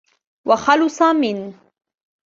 وَخَلُصَ مِنْ